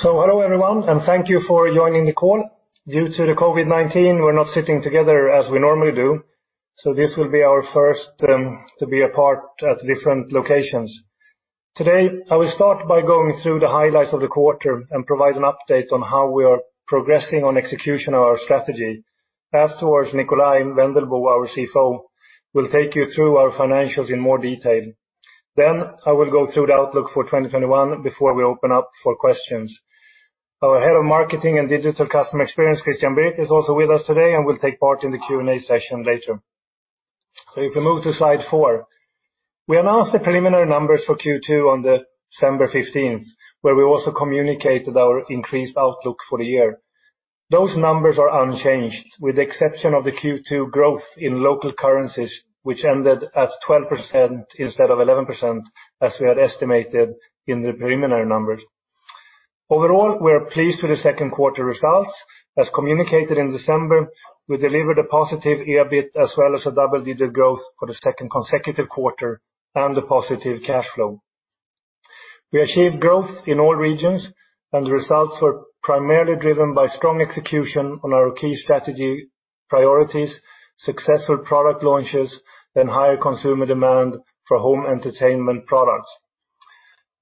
Hello, everyone. Thank you for joining the call. Due to the COVID-19, we're not sitting together as we normally do. This will be our first to be apart at different locations. Today, I will start by going through the highlights of the quarter and provide an update on how we are progressing on execution of our strategy. Afterwards, Nikolaj Wendelboe, our Chief Financial Officer, will take you through our financials in more detail. I will go through the outlook for 2021 before we open up for questions. Our Head of Marketing and Digital Customer Experience, Christian Birk, is also with us today and will take part in the Q&A session later. If we move to slide four. We announced the preliminary numbers for Q2 on December 15th, where we also communicated our increased outlook for the year. Those numbers are unchanged, with the exception of the Q2 growth in local currencies, which ended at 12% instead of 11% as we had estimated in the preliminary numbers. Overall, we are pleased with the second quarter results. As communicated in December, we delivered a positive EBIT as well as a double-digit growth for the second consecutive quarter and a positive cash flow. We achieved growth in all regions, and the results were primarily driven by strong execution on our key strategy priorities, successful product launches, and higher consumer demand for home entertainment products.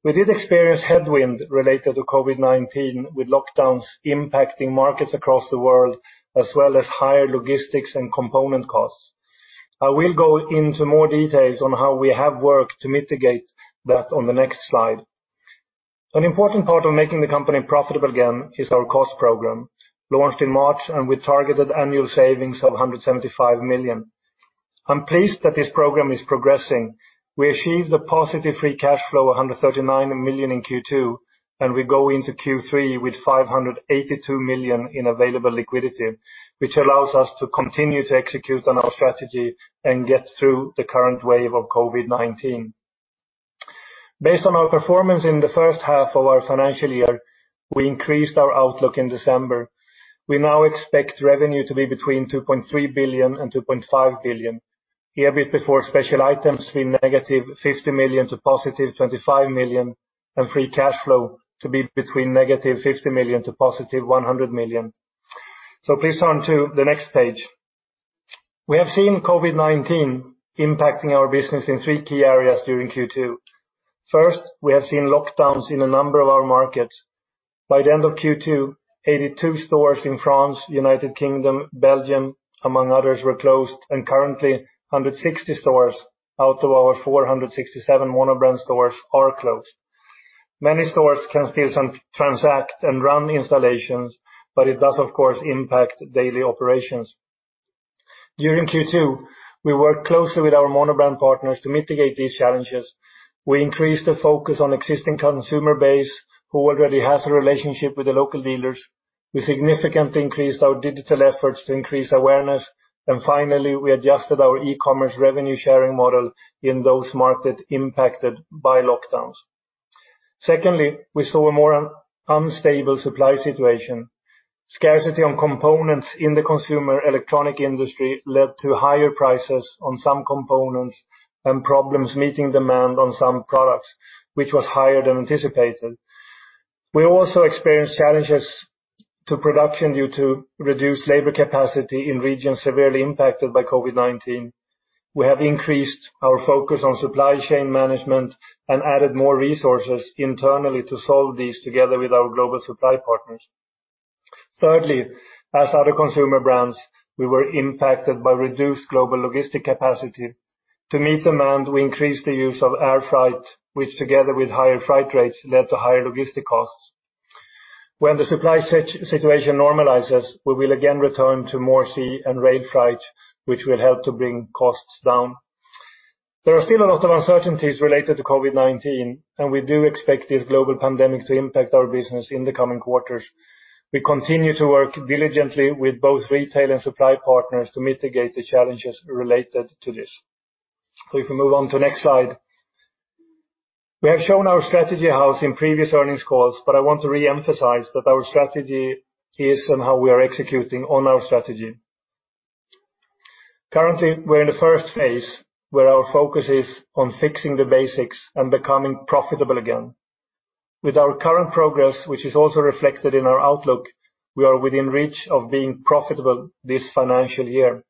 We did experience headwind related to COVID-19, with lockdowns impacting markets across the world, as well as higher logistics and component costs. I will go into more details on how we have worked to mitigate that on the next slide. An important part of making the company profitable again is our cost program, launched in March. We targeted annual savings of 175 million. I'm pleased that this program is progressing. We achieved a positive free cash flow, 139 million in Q2. We go into Q3 with 582 million in available liquidity, which allows us to continue to execute on our strategy and get through the current wave of COVID-19. Based on our performance in the first half of our financial year, we increased our outlook in December. We now expect revenue to be between 2.3 billion and 2.5 billion. EBIT before special items between -50 million to +25 million, free cash flow to be between -50 million to +100 million. Please turn to the next page. We have seen COVID-19 impacting our business in three key areas during Q2. We have seen lockdowns in a number of our markets. By the end of Q2, 82 stores in France, U.K., Belgium, among others, were closed, and currently 160 stores out of our 467 monobrand stores are closed. Many stores can still transact and run installations, but it does, of course, impact daily operations. During Q2, we worked closely with our monobrand partners to mitigate these challenges. We increased the focus on existing consumer base who already has a relationship with the local dealers. We significantly increased our digital efforts to increase awareness. Finally, we adjusted our e-commerce revenue-sharing model in those markets impacted by lockdowns. We saw a more unstable supply situation. Scarcity on components in the consumer electronics industry led to higher prices on some components and problems meeting demand on some products, which was higher than anticipated. We also experienced challenges to production due to reduced labor capacity in regions severely impacted by COVID-19. We have increased our focus on supply chain management and added more resources internally to solve these together with our global supply partners. Thirdly, as other consumer brands, we were impacted by reduced global logistic capacity. To meet demand, we increased the use of air freight, which together with higher freight rates, led to higher logistic costs. When the supply situation normalizes, we will again return to more sea and rail freight, which will help to bring costs down. There are still a lot of uncertainties related to COVID-19, and we do expect this global pandemic to impact our business in the coming quarters. We continue to work diligently with both retail and supply partners to mitigate the challenges related to this. If we move on to next slide. We have shown our strategy how in previous earnings calls, but I want to reemphasize that our strategy is and how we are executing on our strategy. Currently, we're in the first phase where our focus is on fixing the basics and becoming profitable again. With our current progress, which is also reflected in our outlook, we are within reach of being profitable this financial year.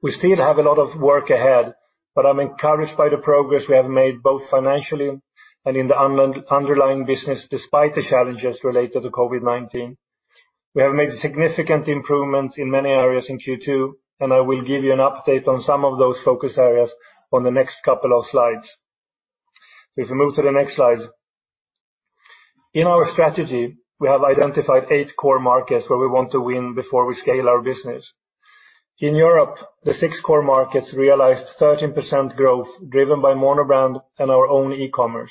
We still have a lot of work ahead, but I'm encouraged by the progress we have made, both financially and in the underlying business, despite the challenges related to COVID-19. We have made significant improvements in many areas in Q2, and I will give you an update on some of those focus areas on the next couple of slides. If we move to the next slide. In our strategy, we have identified eight core markets where we want to win before we scale our business. In Europe, the six core markets realized 13% growth, driven by monobrand and our own e-commerce.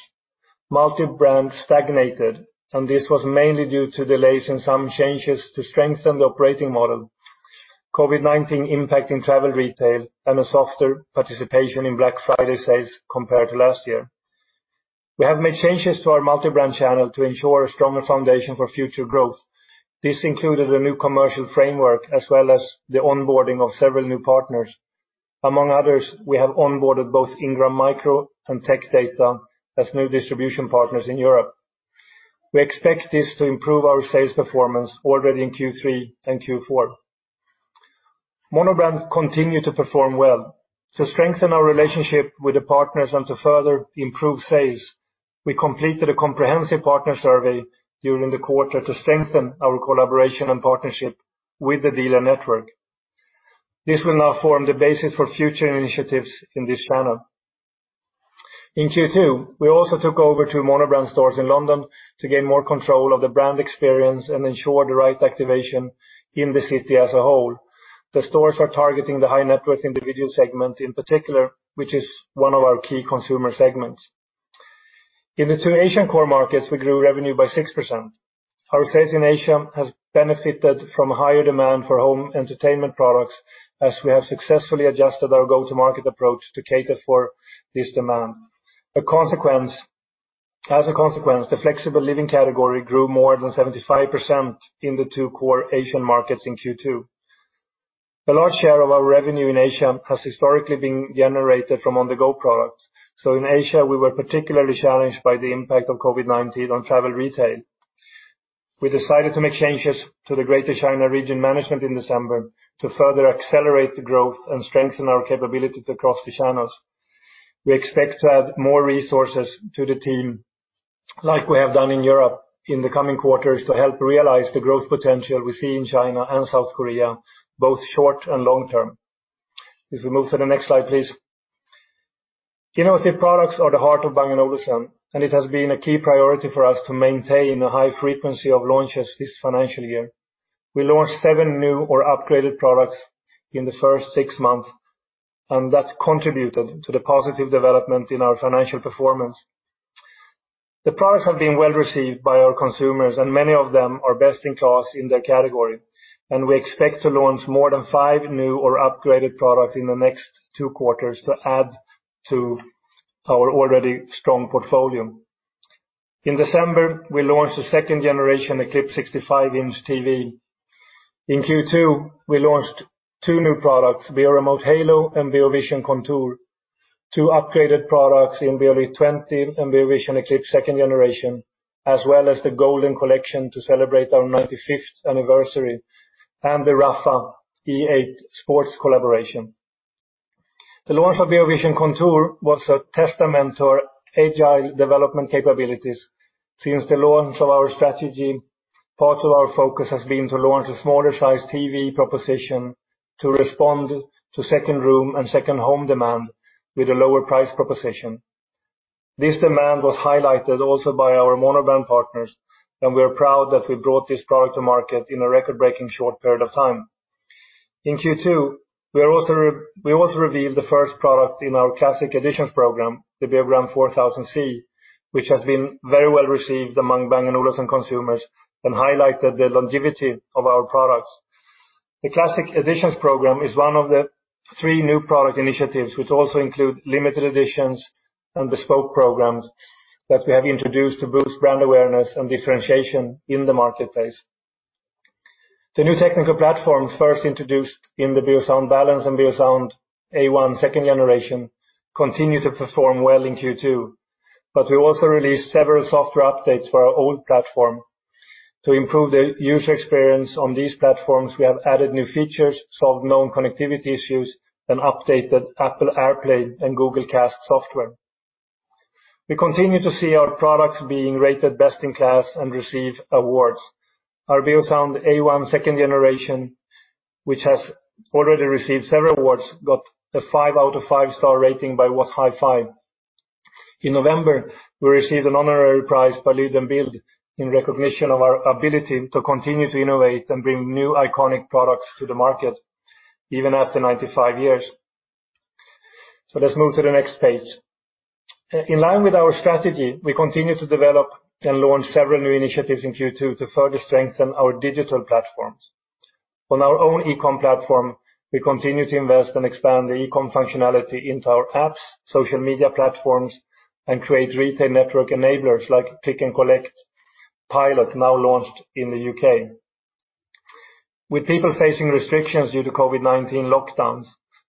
Multi-brand stagnated, and this was mainly due to delays in some changes to strengthen the operating model, COVID-19 impacting travel retail and a softer participation in Black Friday sales compared to last year. We have made changes to our multi-brand channel to ensure a stronger foundation for future growth. This included a new commercial framework as well as the onboarding of several new partners. Among others, we have onboarded both Ingram Micro and Tech Data as new distribution partners in Europe. We expect this to improve our sales performance already in Q3 and Q4. Monobrand continued to perform well. To strengthen our relationship with the partners and to further improve sales, we completed a comprehensive partner survey during the quarter to strengthen our collaboration and partnership with the dealer network. This will now form the basis for future initiatives in this channel. In Q2, we also took over two monobrand stores in London to gain more control of the brand experience and ensure the right activation in the city as a whole. The stores are targeting the high-net-worth individual segment in particular, which is one of our key consumer segments. In the two Asian core markets, we grew revenue by 6%. Our sales in Asia have benefited from higher demand for home entertainment products, as we have successfully adjusted our go-to-market approach to cater for this demand. As a consequence, the Flexible Living category grew more than 75% in the two core Asian markets in Q2. A large share of our revenue in Asia has historically been generated from On-the-go products. In Asia, we were particularly challenged by the impact of COVID-19 on travel retail. We decided to make changes to the Greater China region management in December to further accelerate the growth and strengthen our capabilities across the channels. We expect to add more resources to the team, like we have done in Europe, in the coming quarters to help realize the growth potential we see in China and South Korea, both short and long term. If we move to the next slide, please. Innovative products are the heart of Bang & Olufsen, and it has been a key priority for us to maintain a high frequency of launches this financial year. We launched seven new or upgraded products in the first six months. That contributed to the positive development in our financial performance. The products have been well-received by our consumers. Many of them are best in class in their category. We expect to launch more than five new or upgraded products in the next two quarters to add to our already strong portfolio. In December, we launched the second generation Eclipse 65-inch TV. In Q2, we launched two new products, Beoremote Halo and Beovision Contour. Two upgraded products in Beolit 20 and Beovision Eclipse 2nd Gen, as well as the Golden Collection to celebrate our 95th anniversary and the Rapha E8 Sports collaboration. The launch of Beovision Contour was a testament to our agile development capabilities. Since the launch of our strategy, part of our focus has been to launch a smaller-sized TV proposition to respond to second room and second home demand with a lower price proposition. This demand was highlighted also by our monobrand partners, and we are proud that we brought this product to market in a record-breaking short period of time. In Q2, we also revealed the first product in our Classic Editions program, the Beogram 4000c, which has been very well received among Bang & Olufsen consumers and highlighted the longevity of our products. The Classic Editions program is one of the three new product initiatives, which also include limited editions and Bespoke programs that we have introduced to boost brand awareness and differentiation in the marketplace. The new technical platform first introduced in the Beosound Balance and Beosound A1 2nd Gen continued to perform well in Q2, but we also released several software updates for our old platform. To improve the user experience on these platforms, we have added new features, solved known connectivity issues, and updated Apple AirPlay and Google Cast software. We continue to see our products being rated best in class and receive awards. Our Beosound A1 2nd Gen, which has already received several awards, got a five out of five star rating by What Hi-Fi?. In November, we received an honorary prize by Lyd & Billede in recognition of our ability to continue to innovate and bring new iconic products to the market, even after 95 years. Let's move to the next page. In line with our strategy, we continued to develop and launch several new initiatives in Q2 to further strengthen our digital platforms. On our own e-com platform, we continued to invest and expand the e-com functionality into our apps, social media platforms, and create retail network enablers like click and collect pilot, now launched in the U.K. With people facing restrictions due to COVID-19 lockdowns,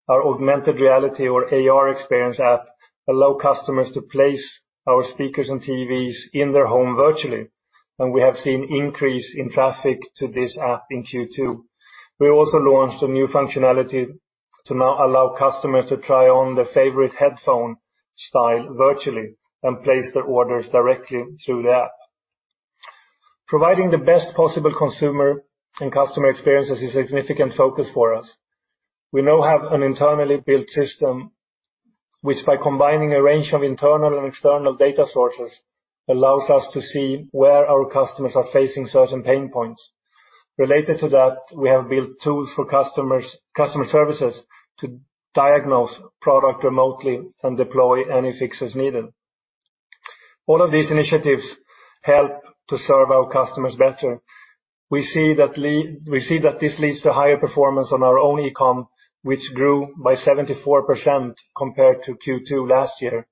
our augmented reality or AR experience app allow customers to place our speakers and TVs in their home virtually, and we have seen increase in traffic to this app in Q2. We also launched a new functionality to now allow customers to try on their favorite headphone style virtually and place their orders directly through the app. Providing the best possible consumer and customer experience is a significant focus for us. We now have an internally built system, which by combining a range of internal and external data sources, allows us to see where our customers are facing certain pain points. Related to that, we have built tools for customer services to diagnose product remotely and deploy any fixes needed. All of these initiatives help to serve our customers better. We see that this leads to higher performance on our own e-com, which grew by 74% compared to Q2 last year.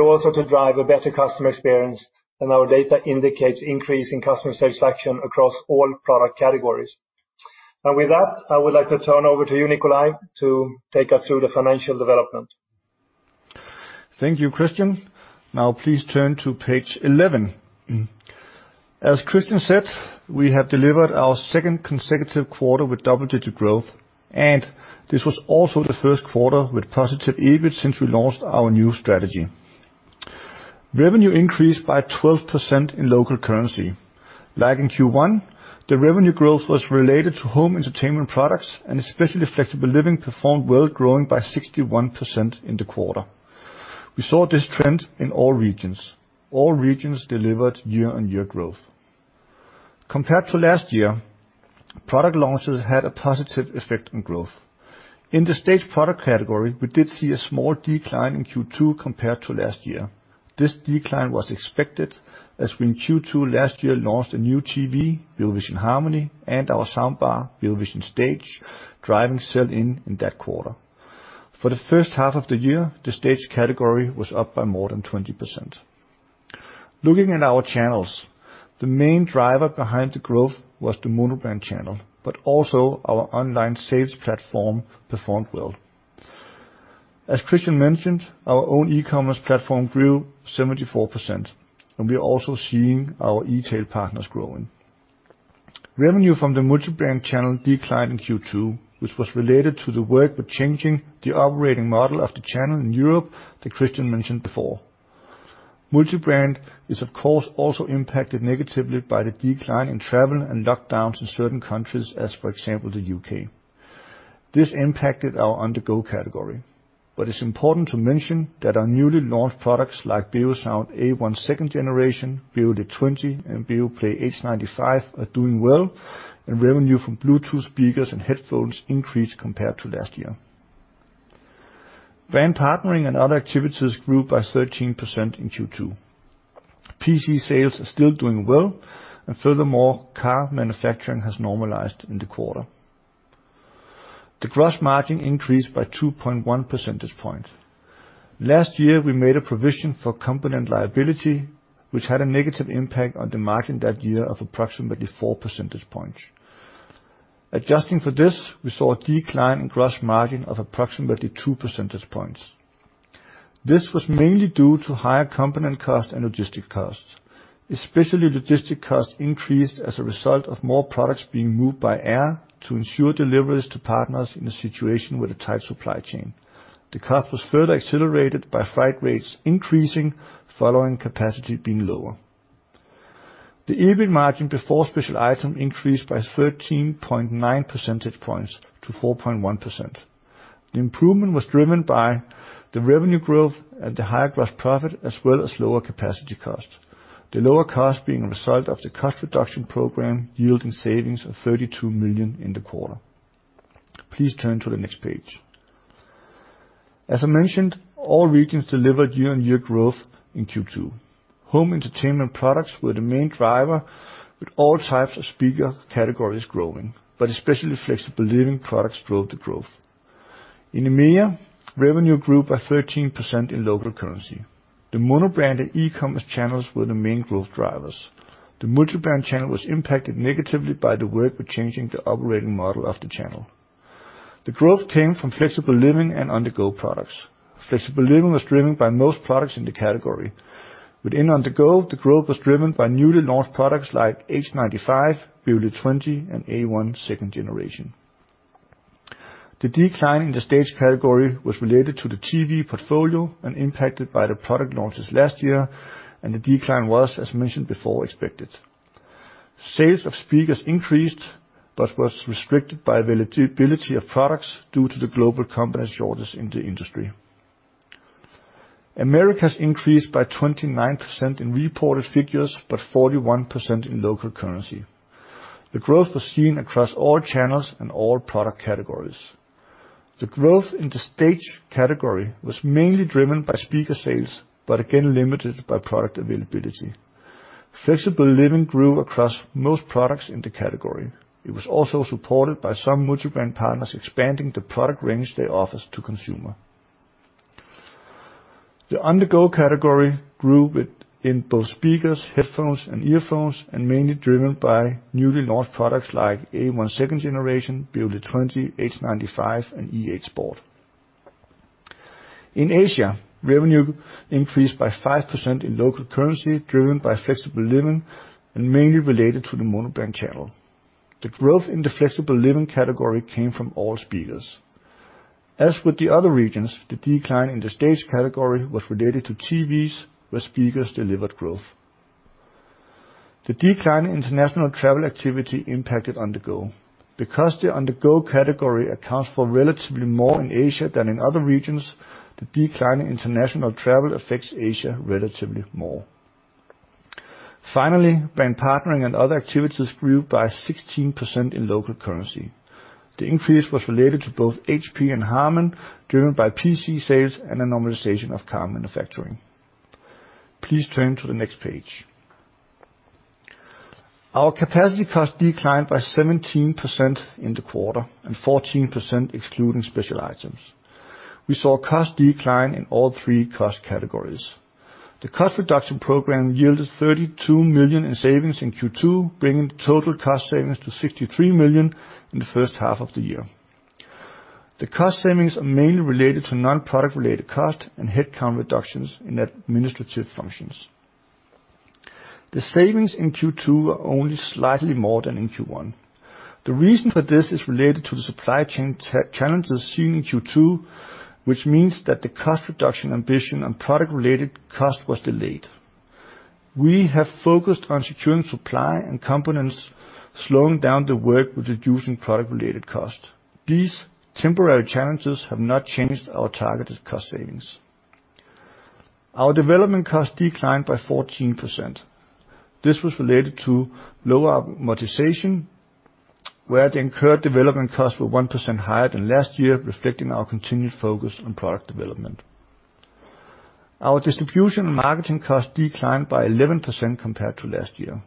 Also to drive a better customer experience, and our data indicates increase in customer satisfaction across all product categories. With that, I would like to turn over to you, Nikolaj, to take us through the financial development. Thank you, Kristian. Now please turn to page 11. As Kristian said, we have delivered our second consecutive quarter with double-digit growth, and this was also the first quarter with positive EBIT since we launched our new strategy. Revenue increased by 12% in local currency. Like in Q1, the revenue growth was related to home entertainment products, and especially Flexible Living performed well, growing by 61% in the quarter. We saw this trend in all regions. All regions delivered year-on-year growth. Compared to last year, product launches had a positive effect on growth. In the Stage product category, we did see a small decline in Q2 compared to last year. This decline was expected, as we, in Q2 last year, launched a new TV, Beovision Harmony, and our soundbar, Beovision Stage, driving sell-in, in that quarter. For the first half of the year, the Stage category was up by more than 20%. Looking at our channels, the main driver behind the growth was the monobrand channel, but also our online sales platform performed well. As Kristian mentioned, our own e-commerce platform grew 74%, and we're also seeing our e-tail partners growing. Revenue from the multi-brand channel declined in Q2, which was related to the work with changing the operating model of the channel in Europe, that Kristian mentioned before. Multi-brand is, of course, also impacted negatively by the decline in travel and lockdowns in certain countries as, for example, the U.K. This impacted our On-the-go category. It's important to mention that our newly launched products like Beosound A1 2nd Gen, Beolit 20, and Beoplay H95 are doing well, and revenue from Bluetooth speakers and headphones increased compared to last year. Brand partnering and other activities grew by 13% in Q2. PC sales are still doing well, and furthermore, car manufacturing has normalized in the quarter. The gross margin increased by 2.1 percentage points. Last year, we made a provision for component liability, which had a negative impact on the margin that year of approximately four percentage points. Adjusting for this, we saw a decline in gross margin of approximately two percentage points. This was mainly due to higher component costs and logistic costs. Especially logistic costs increased as a result of more products being moved by air to ensure deliveries to partners in a situation with a tight supply chain. The cost was further accelerated by freight rates increasing, following capacity being lower. The EBIT margin before special item increased by 13.9 percentage points to 4.1%. The improvement was driven by the revenue growth and the higher gross profit, as well as lower capacity cost. The lower cost being a result of the cost reduction program yielding savings of 32 million in the quarter. Please turn to the next page. As I mentioned, all regions delivered year-on-year growth in Q2. Home entertainment products were the main driver, with all types of speaker categories growing, but especially Flexible Living products drove the growth. In EMEA, revenue grew by 13% in local currency. The monobrand and e-commerce channels were the main growth drivers. The multi-brand channel was impacted negatively by the work with changing the operating model of the channel. The growth came from Flexible Living and On-the-go products. Flexible Living was driven by most products in the category. Within On-the-go, the growth was driven by newly launched products like H95, Beolit 20, and A1 2nd Gen. The decline in the Stage category was related to the TV portfolio and impacted by the product launches last year, and the decline was, as mentioned before, expected. Sales of speakers increased but was restricted by availability of products due to the global component shortage in the industry. Americas increased by 29% in reported figures, but 41% in local currency. The growth was seen across all channels and all product categories. The growth in the Stage category was mainly driven by speaker sales, but again limited by product availability. Flexible Living grew across most products in the category. It was also supported by some multi-brand partners expanding the product range they offer to consumer. The On-The-Go category grew in both speakers, headphones, and earphones, and mainly driven by newly launched products like A1 2nd Gen, Beolit 20, H95, and E8 Sport. In Asia, revenue increased by 5% in local currency, driven by Flexible Living and mainly related to the monobrand channel. The growth in the Flexible Living category came from all speakers. As with the other regions, the decline in the Stage category was related to TVs, where speakers delivered growth. The decline in international travel activity impacted On-the-go. The On-the-go category accounts for relatively more in Asia than in other regions, the decline in international travel affects Asia relatively more. Finally, brand partnering and other activities grew by 16% in local currency. The increase was related to both HP and Harman, driven by PC sales and a normalization of car manufacturing. Please turn to the next page. Our capacity cost declined by 17% in the quarter, and 14% excluding special items. We saw cost decline in all three cost categories. The cost reduction program yielded 32 million in savings in Q2, bringing the total cost savings to 63 million in the first half of the year. The cost savings are mainly related to non-product related cost and headcount reductions in administrative functions. The savings in Q2 are only slightly more than in Q1. The reason for this is related to the supply chain challenges seen in Q2, which means that the cost reduction ambition on product related cost was delayed. We have focused on securing supply and components, slowing down the work with reducing product related cost. These temporary challenges have not changed our targeted cost savings. Our development cost declined by 14%. This was related to lower amortization, where the incurred development costs were 1% higher than last year, reflecting our continued focus on product development. Our distribution and marketing costs declined by 11% compared to last year.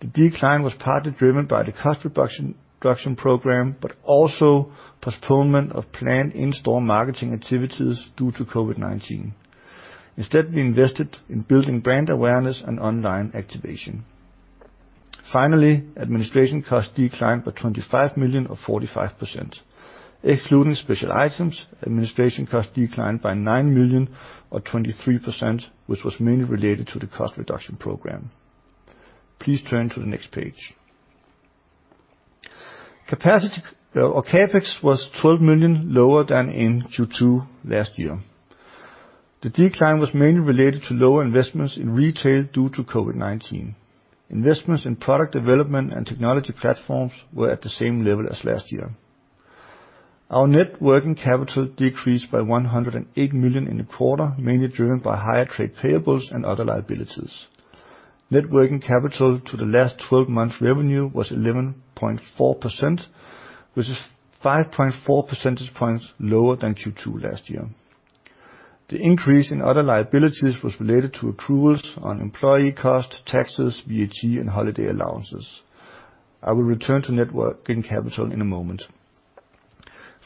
The decline was partly driven by the cost reduction program, but also postponement of planned in-store marketing activities due to COVID-19. Instead, we invested in building brand awareness and online activation. Finally, administration costs declined by 25 million or 45%. Excluding special items, administration costs declined by 9 million or 23%, which was mainly related to the cost reduction program. Please turn to the next page. Capacity or CapEx was 12 million lower than in Q2 last year. The decline was mainly related to lower investments in retail due to COVID-19. Investments in product development and technology platforms were at the same level as last year. Our net working capital decreased by 108 million in the quarter, mainly driven by higher trade payables and other liabilities. Net working capital to the last 12 months revenue was 11.4%, which is 5.4 percentage points lower than Q2 last year. The increase in other liabilities was related to accruals on employee cost, taxes, VAT, and holiday allowances. I will return to net working capital in a moment.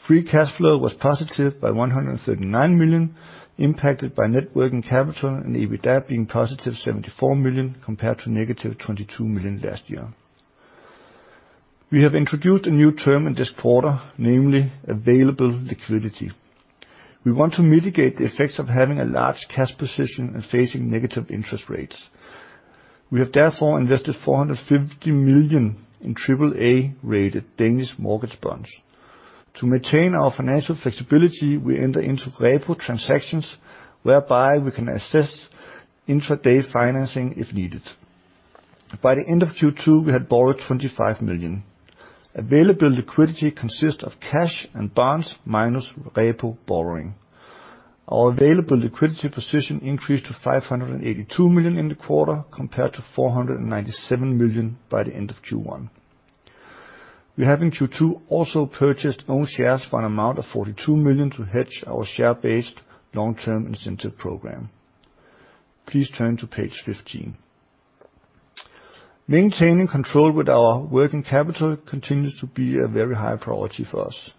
Free cash flow was positive by 139 million, impacted by net working capital and EBITDA being +74 million compared to -22 million last year. We have introduced a new term in this quarter, namely Available liquidity. We want to mitigate the effects of having a large cash position and facing negative interest rates. We have therefore invested 450 million in AAA-rated Danish mortgage bonds. To maintain our financial flexibility, we enter into repo transactions whereby we can assess intraday financing if needed. By the end of Q2, we had borrowed 25 million. Available liquidity consists of cash and bonds minus repo borrowing. Our available liquidity position increased to 582 million in the quarter, compared to 497 million by the end of Q1. We have in Q2 also purchased own shares for an amount of 42 million to hedge our share-based long-term incentive program. Please turn to page 15. Maintaining control with our working capital continues to be a very high priority for us.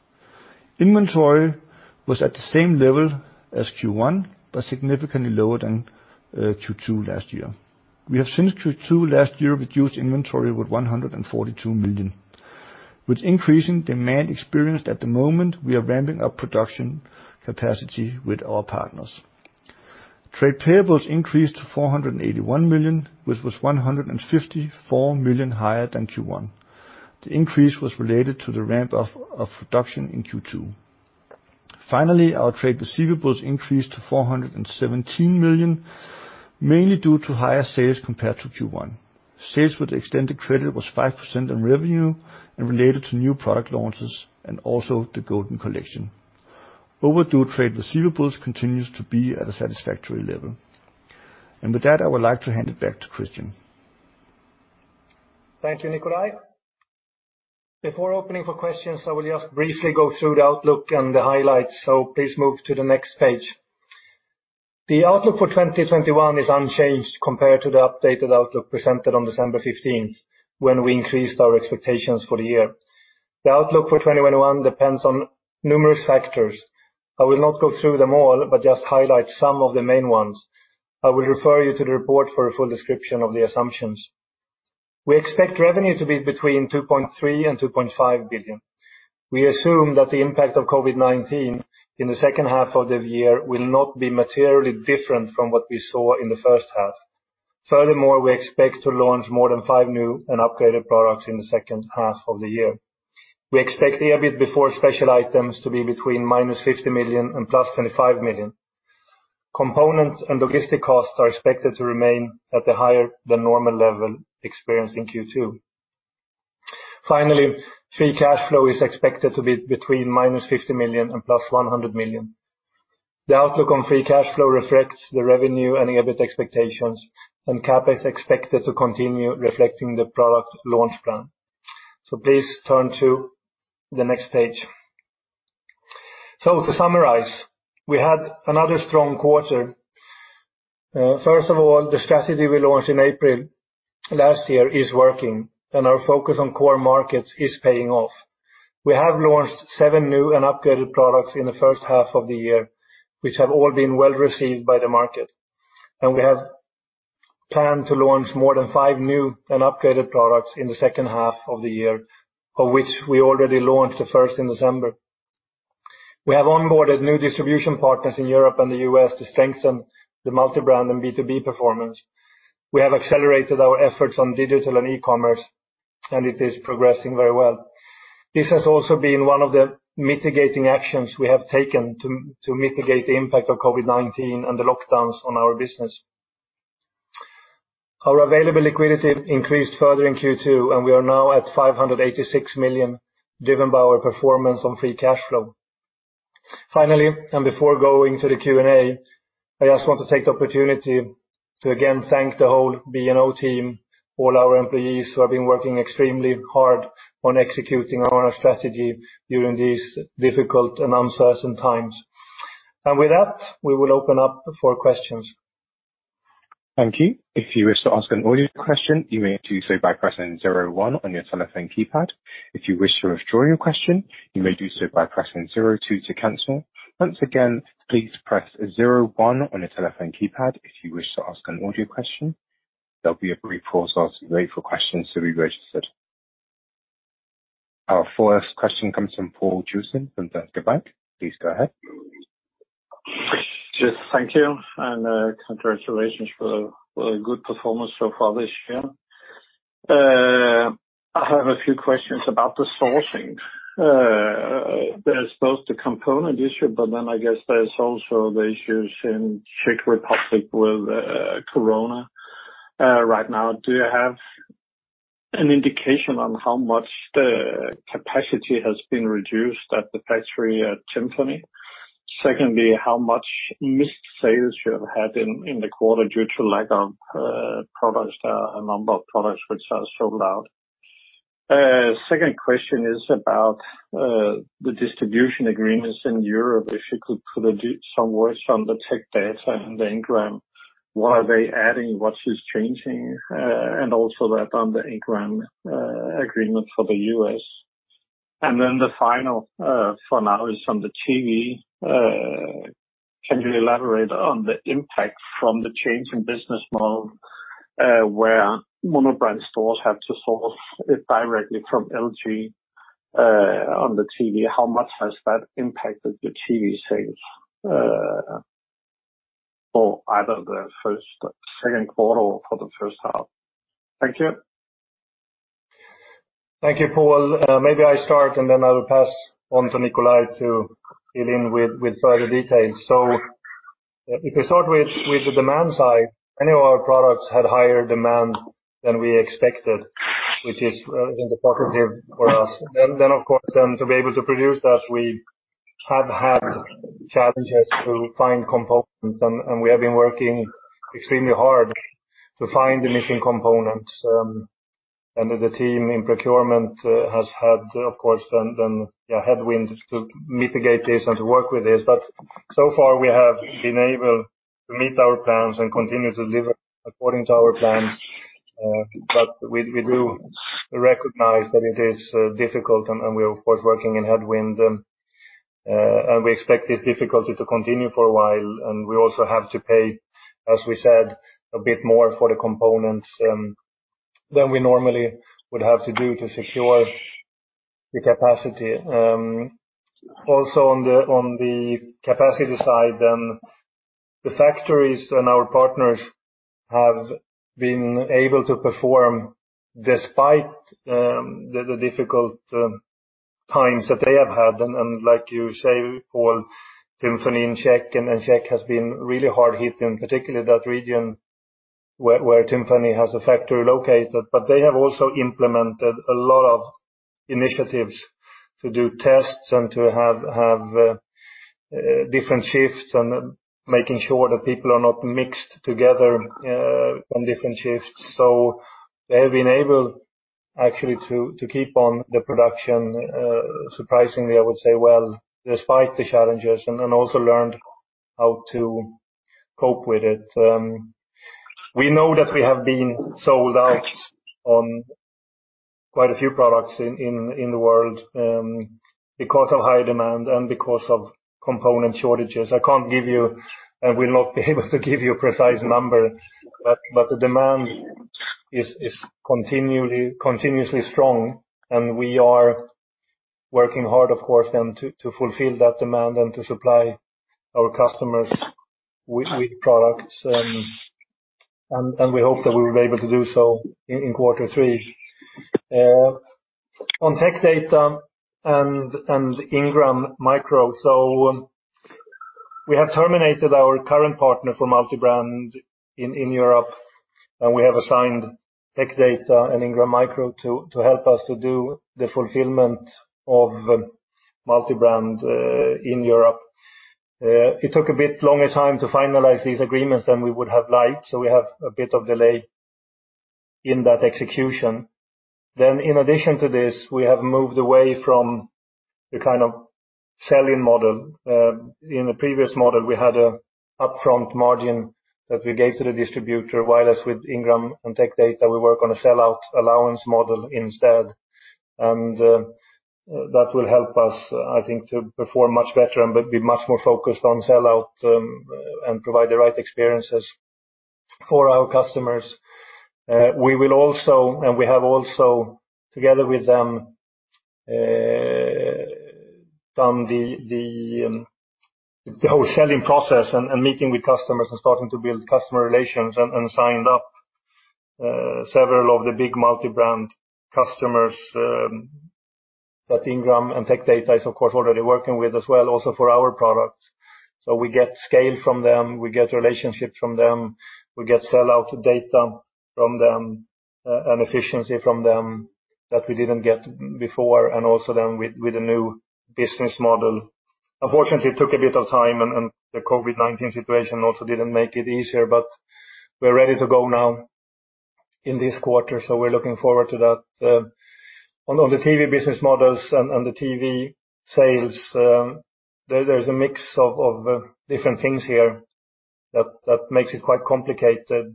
Inventory was at the same level as Q1, but significantly lower than Q2 last year. We have since Q2 last year reduced inventory with 142 million. With increasing demand experienced at the moment, we are ramping up production capacity with our partners. Trade payables increased to 481 million, which was 154 million higher than Q1. The increase was related to the ramp of production in Q2. Finally, our trade receivables increased to 417 million, mainly due to higher sales compared to Q1. Sales with extended credit was 5% in revenue and related to new product launches and also the Golden Collection. Overdue trade receivables continues to be at a satisfactory level. With that, I would like to hand it back to Kristian. Thank you, Nikolaj. Before opening for questions, I will just briefly go through the outlook and the highlights. Please move to the next page. The outlook for 2021 is unchanged compared to the updated outlook presented on December 15, when we increased our expectations for the year. The outlook for 2021 depends on numerous factors. I will not go through them all, just highlight some of the main ones. I will refer you to the report for a full description of the assumptions. We expect revenue to be between 2.3 billion-2.5 billion. We assume that the impact of COVID-19 in the second half of the year will not be materially different from what we saw in the first half. Furthermore, we expect to launch more than five new and upgraded products in the second half of the year. We expect the EBIT before special items to be between -50 million and +25 million. Components and logistic costs are expected to remain at the higher than normal level experienced in Q2. Finally, free cash flow is expected to be between -50 million and +100 million. The outlook on free cash flow reflects the revenue and EBIT expectations. CapEx is expected to continue reflecting the product launch plan. Please turn to the next page. To summarize, we had another strong quarter. First of all, the strategy we launched in April last year is working, and our focus on core markets is paying off. We have launched seven new and upgraded products in the first half of the year, which have all been well-received by the market. We have planned to launch more than five new and upgraded products in the second half of the year, of which we already launched the first in December. We have onboarded new distribution partners in Europe and the U.S. to strengthen the multi-brand and B2B performance. We have accelerated our efforts on digital and e-commerce, and it is progressing very well. This has also been one of the mitigating actions we have taken to mitigate the impact of COVID-19 and the lockdowns on our business. Our available liquidity increased further in Q2, and we are now at 586 million, driven by our performance on free cash flow. Finally, before going to the Q&A, I just want to take the opportunity to again thank the whole B&O team, all our employees who have been working extremely hard on executing on our strategy during these difficult and uncertain times. With that, we will open up for questions. Thank you. If you wish to ask an audio question, you may do so by pressing zero one on your telephone keypad. If you wish to withdraw your question, you may do so by pressing zero two to cancel. Once again, please press zero one on your telephone keypad if you wish to ask an audio question. There'll be a brief pause while we wait for questions to be registered. Our first question comes from Poul Jessen from Danske Bank, please go ahead. Yes, thank you. Congratulations for the good performance so far this year. I have a few questions about the sourcing. There's both the component issue. I guess there's also the issues in Czech Republic with COVID-19 right now. Do you have an indication on how much the capacity has been reduced at the factory at Tymphany? Secondly, how much missed sales you have had in the quarter due to lack of products, a number of products which are sold out? Second question is about the distribution agreements in Europe. If you could do some words on the Tech Data and the Ingram. What are they adding? What is changing? Also that on the Ingram agreement for the U.S. The final, for now, is on the TV. Can you elaborate on the impact from the change in business model, where monobrand stores have to source it directly from LG on the TV? How much has that impacted the TV sales? For either the first, second quarter or for the first half. Thank you. Thank you, Poul. Maybe I start, and then I will pass on to Nikolaj to fill in with further details. If we start with the demand side, any of our products had higher demand than we expected, which is very positive for us. Of course, to be able to produce that, we have had challenges to find components, and we have been working extremely hard to find the missing components. The team in procurement has had, of course, then headwinds to mitigate this and to work with this. So far we have been able to meet our plans and continue to deliver according to our plans. We do recognize that it is difficult, and we are of course working in headwind, and we expect this difficulty to continue for a while, and we also have to pay, as we said, a bit more for the components than we normally would have to do to secure the capacity. On the capacity side, the factories and our partners have been able to perform despite the difficult times that they have had. Like you say, Poul, Tymphany in Czech, and Czech has been really hard-hit, and particularly that region where Tymphany has a factory located. They have also implemented a lot of initiatives to do tests and to have different shifts and making sure that people are not mixed together on different shifts. They have been able actually to keep on the production, surprisingly, I would say, well, despite the challenges, and also learned how to cope with it. We know that we have been sold out on quite a few products in the world because of high demand and because of component shortages. I can't give you, and will not be able to give you a precise number. The demand is continuously strong, and we are working hard, of course, to fulfill that demand and to supply our customers with products. We hope that we will be able to do so in quarter three. On Tech Data and Ingram Micro. We have terminated our current partner for multi-brand in Europe, and we have assigned Tech Data and Ingram Micro to help us to do the fulfillment of multi-brand in Europe. It took a bit longer time to finalize these agreements than we would have liked, so we have a bit of delay in that execution. In addition to this, we have moved away from the kind of sell-in model. In the previous model, we had an upfront margin that we gave to the distributor, whereas with Ingram and Tech Data, we work on a sellout allowance model instead. That will help us, I think, to perform much better and be much more focused on sellout, and provide the right experiences for our customers. We will also, and we have also, together with them, done the whole selling process and meeting with customers and starting to build customer relations and signed up several of the big multi-brand customers that Ingram and Tech Data is, of course, already working with as well, also for our product. We get scale from them, we get relationships from them, we get sellout data from them, and efficiency from them that we didn't get before. Also then with a new business model. Unfortunately, it took a bit of time, and the COVID-19 situation also didn't make it easier, but we're ready to go now in this quarter, so we're looking forward to that. On the TV business models and the TV sales, there's a mix of different things here that makes it quite complicated,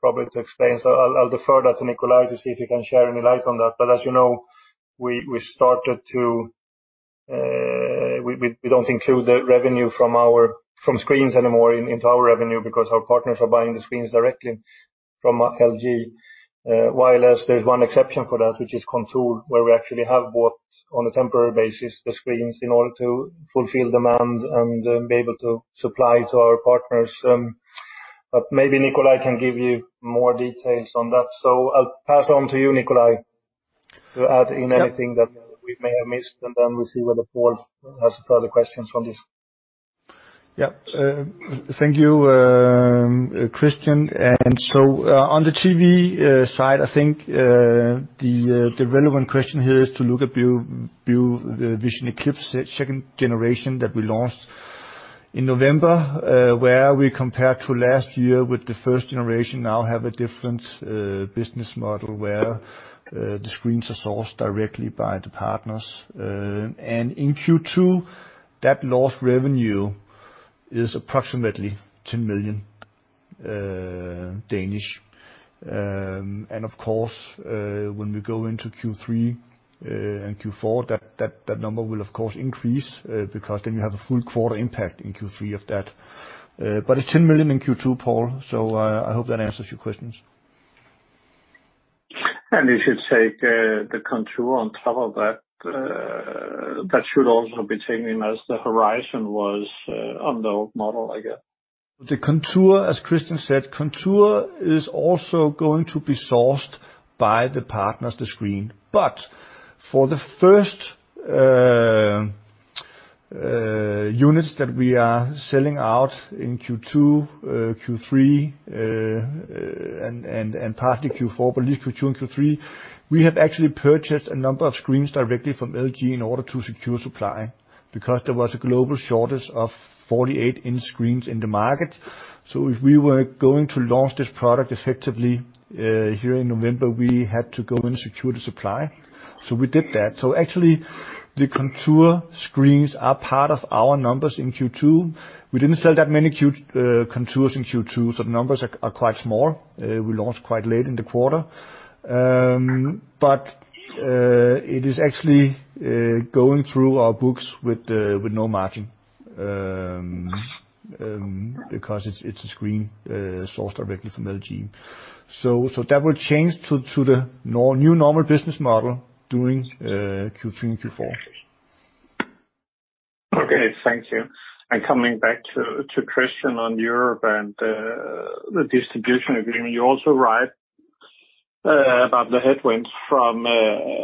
probably to explain. I'll defer that to Nicolaj to see if he can share any light on that. As you know, we don't include the revenue from screens anymore into our revenue because our partners are buying the screens directly from LG. Whereas there's one exception for that, which is Contour, where we actually have bought, on a temporary basis, the screens in order to fulfill demand and be able to supply to our partners. Maybe Nikolaj can give you more details on that. I'll pass on to you, Nikolaj, to add in anything that we may have missed, and then we'll see whether Poul has further questions from this. Thank you, Kristian. On the TV side, I think, the relevant question here is to look at BeoVision Eclipse 2nd Gen that we launched in November, where we compared to last year with the 1st generation now have a different business model where the screens are sourced directly by the partners. In Q2, that lost revenue is approximately 10 million. Of course, when we go into Q3 and Q4, that number will of course increase, because then you have a full quarter impact in Q3 of that. It is 10 million in Q2, Poul, I hope that answers your questions. You should take the Contour on top of that. That should also be taken in as the horizon was on the model, I guess. The Contour, as Kristian said, Contour is also going to be sourced by the partners, the screen. For the first units that we are selling out in Q2, Q3, and partly Q4, but at least Q2 and Q3, we have actually purchased a number of screens directly from LG in order to secure supply, because there was a global shortage of 48-inch screens in the market. If we were going to launch this product effectively here in November, we had to go and secure the supply. We did that. Actually, the Contour screens are part of our numbers in Q2. We didn't sell that many Contours in Q2, the numbers are quite small. We launched quite late in the quarter. It is actually going through our books with no margin, because it's a screen sourced directly from LG. That will change to the new normal business model during Q3 and Q4. Okay. Thank you. Coming back to Kristian on Europe and the distribution agreement, you also write about the headwinds from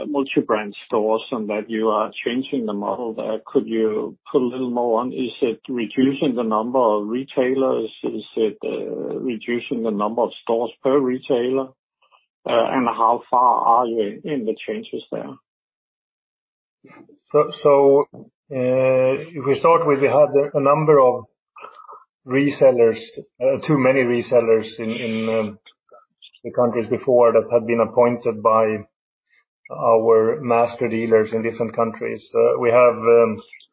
multi-brand stores and that you are changing the model there. Could you put a little more on, is it reducing the number of retailers? Is it reducing the number of stores per retailer? How far are you in the changes there? If we start with, we had a number of resellers, too many resellers in the countries before that had been appointed by our master dealers in different countries. We have,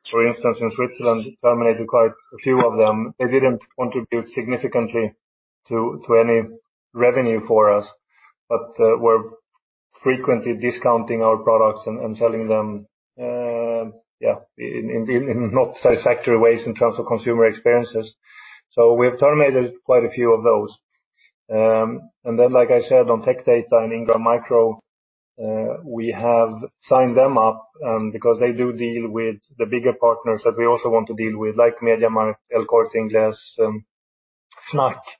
for instance, in Switzerland, terminated quite a few of them. Were frequently discounting our products and selling them in not satisfactory ways in terms of consumer experiences. We have terminated quite a few of those. Like I said, on Tech Data and Ingram Micro, we have signed them up, because they do deal with the bigger partners that we also want to deal with, like MediaMarkt, Elkjøp, Fnac,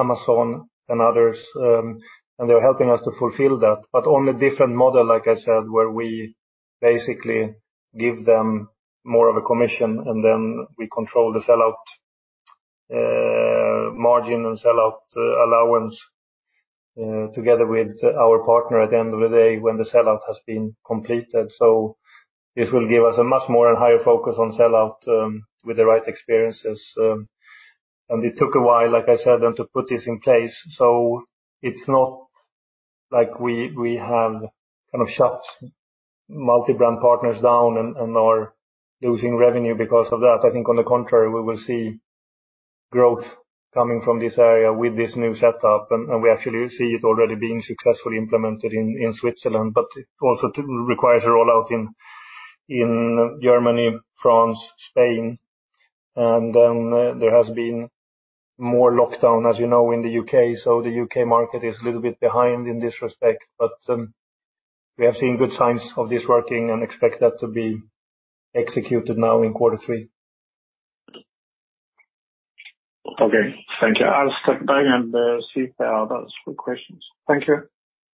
Amazon, and others. They're helping us to fulfill that. On a different model, like I said, where we basically give them more of a commission and then we control the sellout margin and sellout allowance together with our partner at the end of the day when the sellout has been completed. This will give us a much more higher focus on sellout with the right experiences. It took a while, like I said, then to put this in place, so it's not like we have kind of shut multi-brand partners down and are losing revenue because of that. I think on the contrary, we will see growth coming from this area with this new setup, and we actually see it already being successfully implemented in Switzerland, but it also requires a rollout in Germany, France, Spain. There has been more lockdown, as you know, in the U.K. The U.K. market is a little bit behind in this respect. We have seen good signs of this working and expect that to be executed now in quarter three. Okay. Thank you. I'll step back and see if there are other questions. Thank you.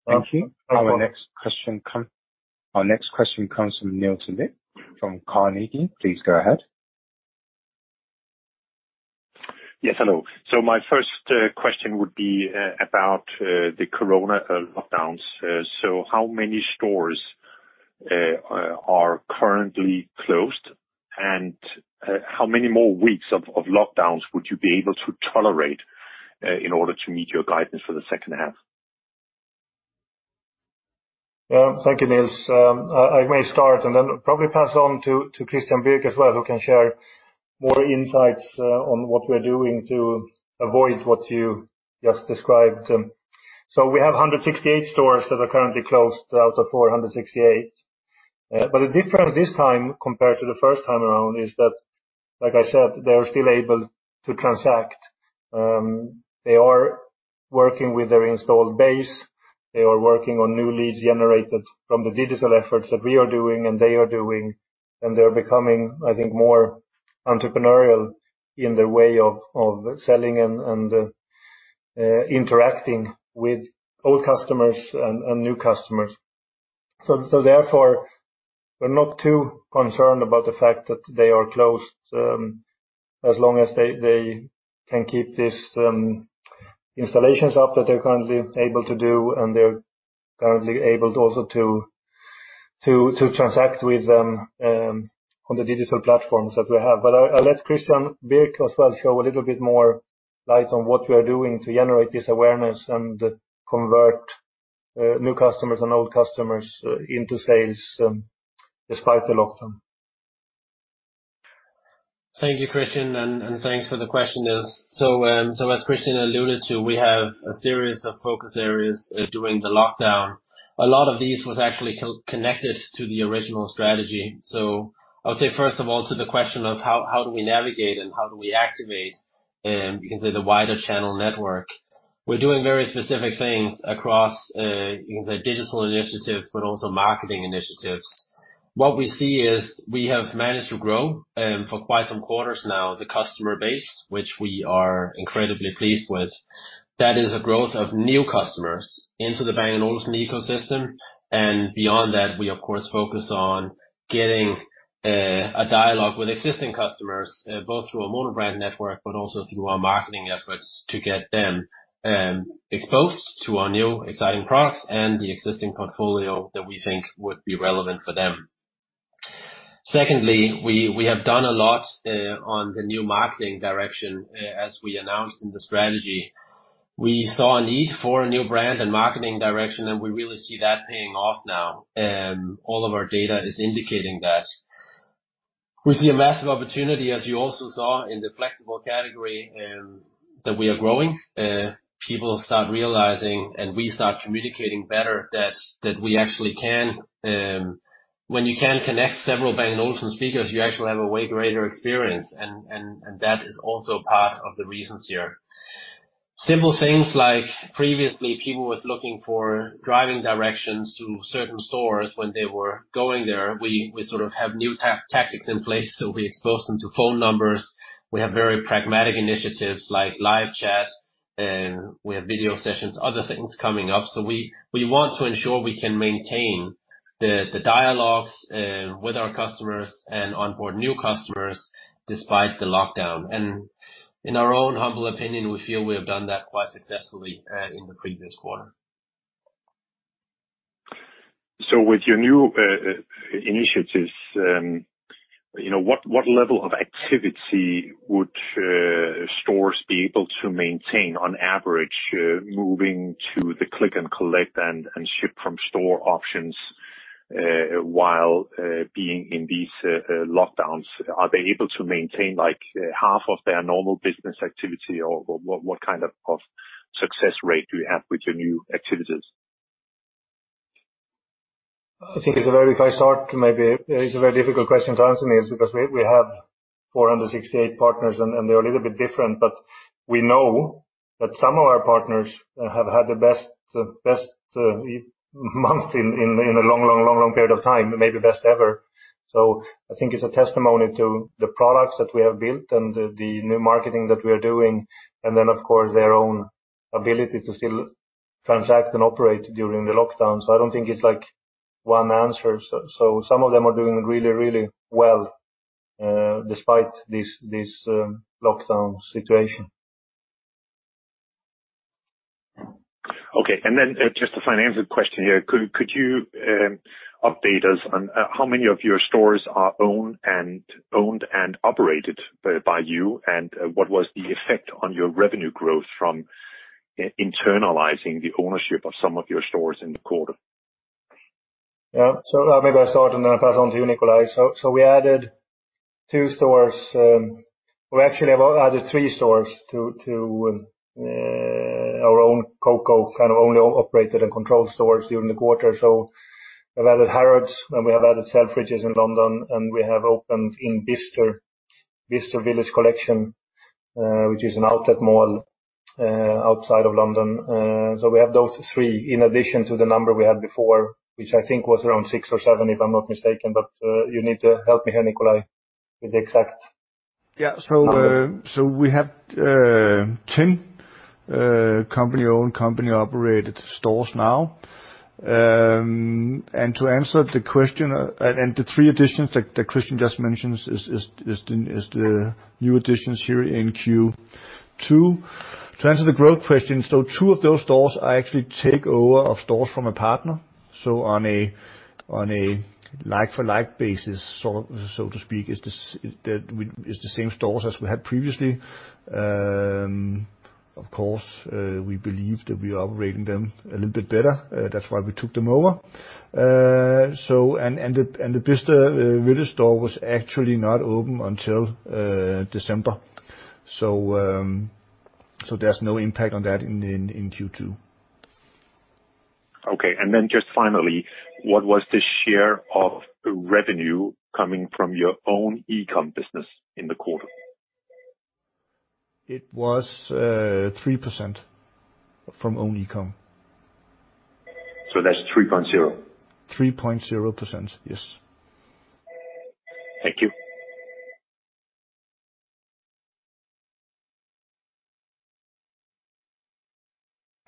Thank you. Our next question comes from Niels Leth from Carnegie, please go ahead. Yes, hello. My first question would be about the corona lockdowns. How many stores are currently closed and how many more weeks of lockdowns would you be able to tolerate in order to meet your guidance for the second half? Well, thank you, Niels. I may start and then probably pass on to Christian Birk as well, who can share more insights on what we're doing to avoid what you just described. We have 168 stores that are currently closed out of 468. The difference this time compared to the first time around is that, like I said, they are still able to transact. They are working with their installed base. They are working on new leads generated from the digital efforts that we are doing and they are doing. They're becoming, I think, more entrepreneurial in their way of selling and interacting with old customers and new customers. Therefore, we're not too concerned about the fact that they are closed as long as they can keep these installations up that they're currently able to do, and they're currently able also to transact with them on the digital platforms that we have. I'll let Christian Birk as well show a little bit more light on what we are doing to generate this awareness and convert new customers and old customers into sales despite the lockdown. Thank you, Kristian, and thanks for the question, Niels. As Kristian alluded to, we have a series of focus areas during the lockdown. A lot of these was actually connected to the original strategy. I would say, first of all, to the question of how do we navigate and how do we activate, you can say, the wider channel network. We're doing very specific things across the digital initiatives, but also marketing initiatives. What we see is we have managed to grow for quite some quarters now the customer base, which we are incredibly pleased with. That is a growth of new customers into the Bang & Olufsen ecosystem. Beyond that, we of course, focus on getting a dialogue with existing customers, both through our monobrand network, but also through our marketing efforts to get them exposed to our new exciting products and the existing portfolio that we think would be relevant for them. Secondly, we have done a lot on the new marketing direction as we announced in the strategy. We saw a need for a new brand and marketing direction. We really see that paying off now. All of our data is indicating that. We see a massive opportunity, as you also saw in the Flexible Living category that we are growing. People start realizing. We start communicating better that we actually can. When you can connect several Bang & Olufsen speakers, you actually have a way greater experience. That is also part of the reasons here. Simple things like previously people was looking for driving directions to certain stores when they were going there. We sort of have new tactics in place to re-expose them to phone numbers. We have very pragmatic initiatives like live chat. We have video sessions, other things coming up. We want to ensure we can maintain the dialogues with our customers and onboard new customers despite the lockdown. In our own humble opinion, we feel we have done that quite successfully in the previous quarter. With your new initiatives, what level of activity would stores be able to maintain on average moving to the click and collect and ship from store options while being in these lockdowns? Are they able to maintain half of their normal business activity or what kind of success rate do you have with your new activities? I think if I start maybe it's a very difficult question to answer, Niels, because we have 468 partners and they're a little bit different, but we know that some of our partners have had the best month in a long period of time, maybe best ever. I think it's a testimony to the products that we have built and the new marketing that we are doing, and then of course their own ability to still transact and operate during the lockdown. I don't think it's one answer. Some of them are doing really well despite this lockdown situation. Okay. Just a finance question here. Could you update us on how many of your stores are owned and operated by you? What was the effect on your revenue growth from internalizing the ownership of some of your stores in the quarter? Yeah. Maybe I'll start and then I'll pass on to you, Nikolaj. We added two stores. We actually have added three stores to our own COCO, kind of only operated and controlled stores during the quarter. We've added Harrods and we have added Selfridges in London, and we have opened in Bicester Village Collection, which is an outlet mall outside of London. We have those three in addition to the number we had before, which I think was around six or seven, if I'm not mistaken. You need to help me here, Nikolaj, with the exact number. Yeah. We have 10 company-owned, company-operated stores now. To answer the question, the three additions that Kristian just mentioned is the new additions here in Q2. To answer the growth question, two of those stores are actually takeover of stores from a partner. On a like-for-like basis, so to speak, it's the same stores as we had previously. Of course, we believe that we are operating them a little bit better. That's why we took them over. The Bicester Village store was actually not open until December. There's no impact on that in Q2. Okay. Just finally, what was the share of revenue coming from your own e-com business in the quarter? It was 3% from own e-com. That's 3.0%? 3.0%, yes. Thank you.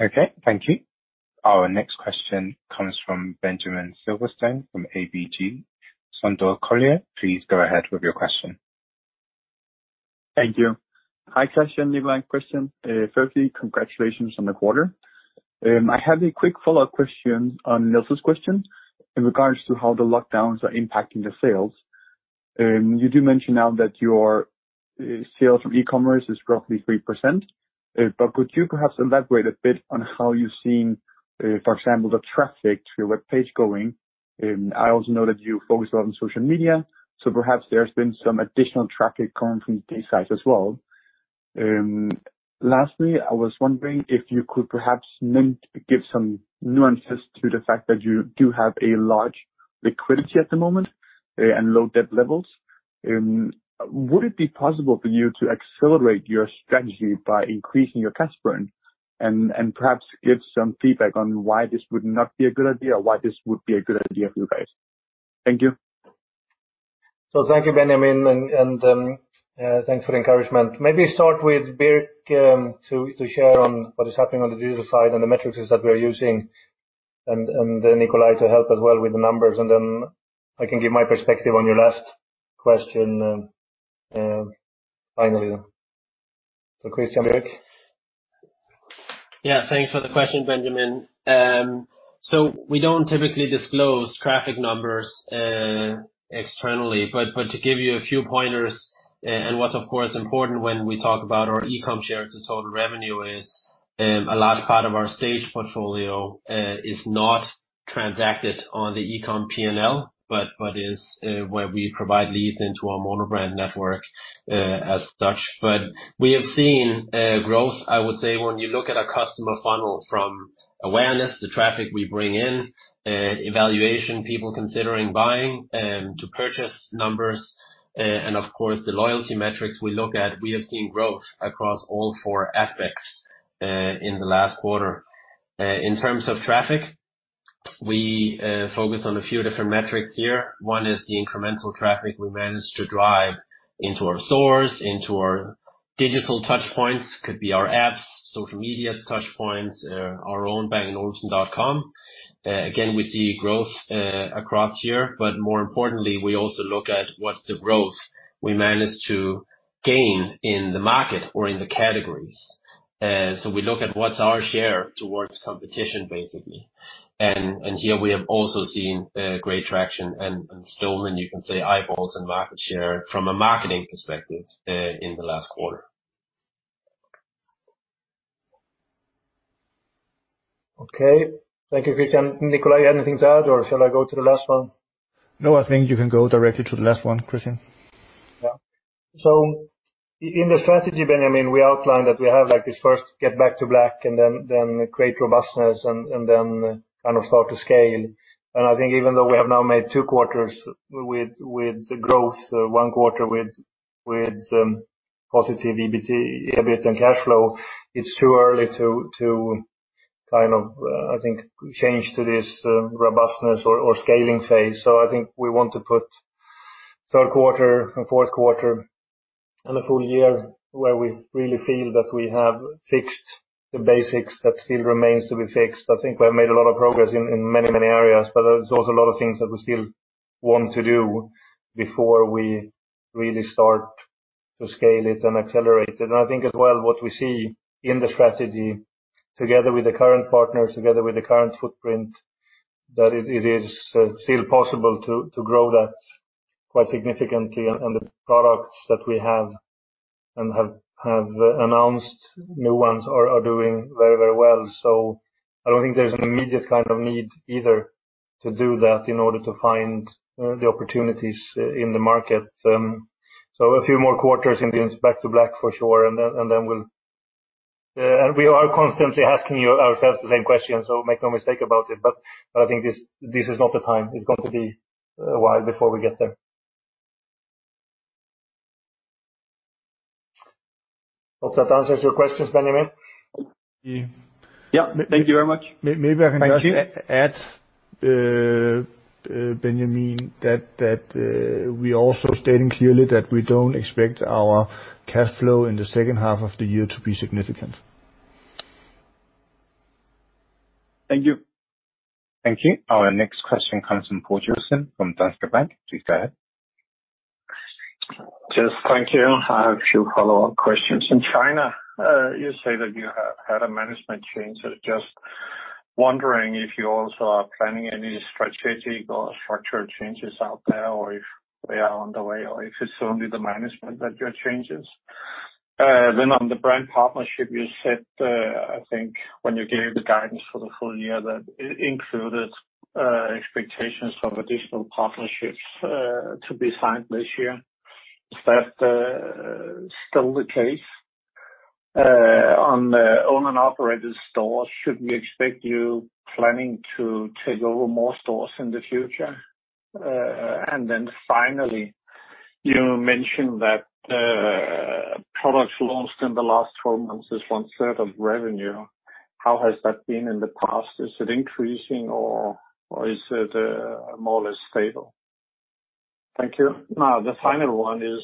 Okay. Thank you. Our next question comes from Benjamin Silverstone from ABG Sundal Collier, please go ahead with your question. Thank you. Hi, Christian, Nikolaj and Kristian? Firstly, congratulations on the quarter. I have a quick follow-up question on Niels' question in regards to how the lockdowns are impacting your sales. You do mention now that your sales from e-commerce is roughly 3%, could you perhaps elaborate a bit on how you're seeing, for example, the traffic to your webpage going? I also know that you focus a lot on social media, perhaps there's been some additional traffic coming from these sites as well. Lastly, I was wondering if you could perhaps give some nuances to the fact that you do have a large liquidity at the moment and low debt levels. Would it be possible for you to accelerate your strategy by increasing your cash burn? Perhaps give some feedback on why this would not be a good idea or why this would be a good idea for you guys. Thank you. Thank you, Benjamin, and thanks for the encouragement. Maybe start with Birk to share on what is happening on the digital side and the metrics that we're using. Then Nikolaj to help as well with the numbers. Then I can give my perspective on your last question finally. Christian, Birk. Yeah. Thanks for the question, Benjamin. We don't typically disclose traffic numbers externally, but to give you a few pointers, and what's of course important when we talk about our e-com share to total revenue is a large part of our stage portfolio is not transacted on the e-com P&L, but is where we provide leads into our monobrand network as such. We have seen growth, I would say, when you look at our customer funnel from awareness to traffic we bring in, evaluation, people considering buying to purchase numbers, and of course, the loyalty metrics we look at. We have seen growth across all four aspects in the last quarter. In terms of traffic, we focus on a few different metrics here. One is the incremental traffic we managed to drive into our stores, into our digital touch points. Could be our apps, social media touch points, our own bang-olufsen.com. Again, we see growth across here, but more importantly, we also look at what's the growth we managed to gain in the market or in the categories. We look at what's our share towards competition, basically. Here we have also seen great traction and stolen, you can say, eyeballs and market share from a marketing perspective in the last quarter. Okay. Thank you, Christian. Nikolaj, anything to add or shall I go to the last one? No, I think you can go directly to the last one, Kristian. In the strategy, Benjamin, we outlined that we have this first get back to black and then create robustness and then kind of start to scale. I think even though we have now made two quarters with growth, one quarter with positive EBIT and cash flow, it's too early to kind of, I think, change to this robustness or scaling phase. I think we want to put third quarter and fourth quarter and the full year where we really feel that we have fixed the basics that still remains to be fixed. I think we have made a lot of progress in many areas, but there's also a lot of things that we still want to do before we really start to scale it and accelerate it. I think as well what we see in the strategy together with the current partners, together with the current footprint, that it is still possible to grow that quite significantly on the products that we have and have announced new ones are doing very well. I don't think there's an immediate kind of need either to do that in order to find the opportunities in the market. A few more quarters in the back to black for sure, and then we are constantly asking you ourselves the same question, so make no mistake about it, but I think this is not the time. It's going to be a while before we get there. Hope that answers your questions, Benjamin. Yeah. Thank you very much. Maybe I can just add, Benjamin, that we are also stating clearly that we don't expect our cash flow in the second half of the year to be significant. Thank you. Thank you. Our next question comes from Poul Jessen from Danske Bank, please go ahead. Just thank you. I have a few follow-up questions. In China, you say that you have had a management change. Just wondering if you also are planning any strategic or structural changes out there, or if they are on the way, or if it's only the management that you're changes? On the brand partnership, you said, I think when you gave the guidance for the full year that it included expectations of additional partnerships to be signed this year. Is that still the case? On the own and operated stores, should we expect you planning to take over more stores in the future? Finally, you mentioned that products launched in the last 12 months is one third of revenue. How has that been in the past? Is it increasing or is it more or less stable? Thank you. The final one is,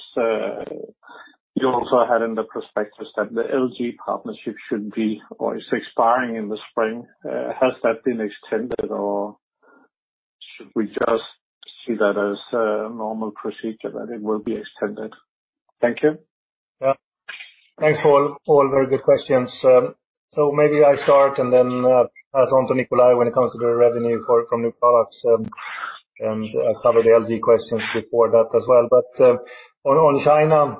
you also had in the prospectus that the LG partnership should be or is expiring in the spring. Has that been extended, or should we just see that as a normal procedure that it will be extended? Thank you. Thanks, Poul. All very good questions. Maybe I start and then pass on to Nikolaj when it comes to the revenue from new products and cover the LG questions before that as well. On China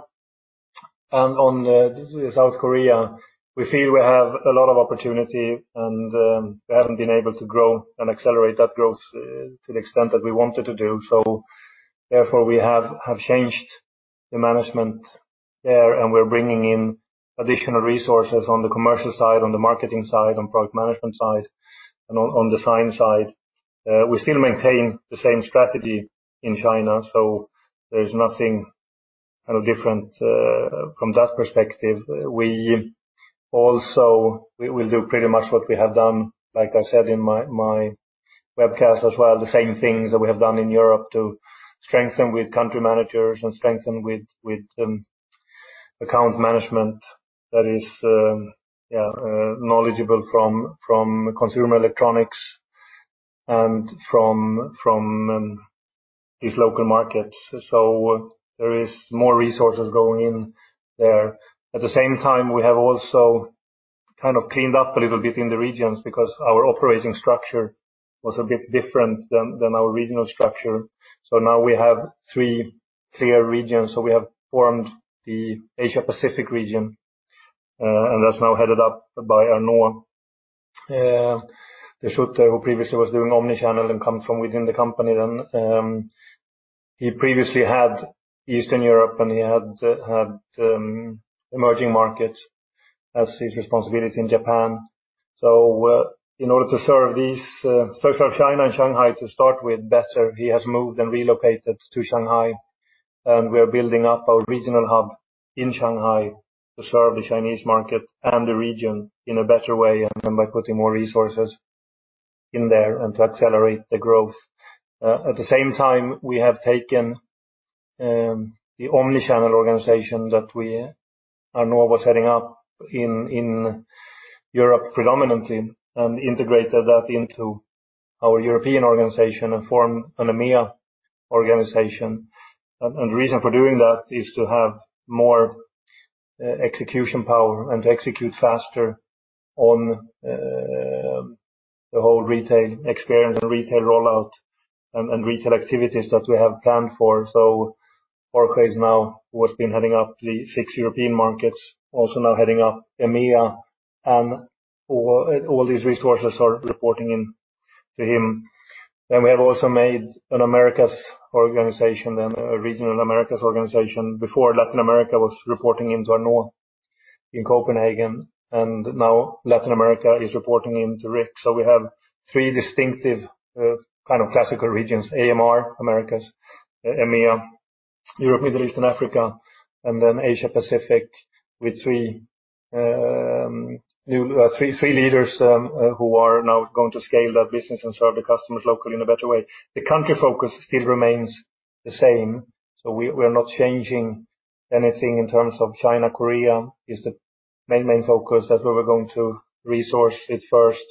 and on South Korea, we feel we have a lot of opportunity, and we haven't been able to grow and accelerate that growth to the extent that we wanted to do. Therefore, we have changed the management there, and we're bringing in additional resources on the commercial side, on the marketing side, on product management side, and on design side. We still maintain the same strategy in China, so there's nothing different from that perspective. We will do pretty much what we have done, like I said in my webcast as well, the same things that we have done in Europe to strengthen with country managers and strengthen with account management that is knowledgeable from consumer electronics and from these local markets. There is more resources going in there. At the same time, we have also kind of cleaned up a little bit in the regions because our operating structure was a bit different than our regional structure. Now we have three clear regions. We have formed the Asia-Pacific region, and that's now headed up by Arnaud De Schuytter, who previously was doing omni-channel and comes from within the company. He previously had Eastern Europe, and he had emerging markets as his responsibility in Japan. In order to serve these, serve China and Shanghai to start with better, he has moved and relocated to Shanghai, and we are building up our regional hub in Shanghai to serve the Chinese market and the region in a better way and by putting more resources in there and to accelerate the growth. At the same time, we have taken the omni-channel organization that Arnaud was heading up in Europe predominantly and integrated that into our European organization and formed an EMEA organization. The reason for doing that is to have more execution power and to execute faster on the whole retail experience and retail rollout and retail activities that we have planned for. Jorge now, who has been heading up the six European markets, also now heading up EMEA, and all these resources are reporting in to him. We have also made an Americas organization, then a regional Americas organization. Before, Latin America was reporting into Arnaud in Copenhagen, now Latin America is reporting into Rick. We have three distinctive kind of classical regions, AMR, Americas, EMEA, Europe, Middle East, and Africa, then Asia-Pacific with three leaders who are now going to scale that business and serve the customers locally in a better way. The country focus still remains the same, we're not changing anything in terms of China. Korea is the main focus. That's where we're going to resource it first.